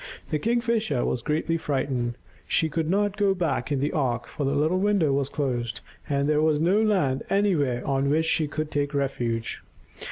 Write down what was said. The Kingfisher was greatly frightened. She could not go back into the ark, for the little window was closed, and there was no land anywhere on which she could take refuge.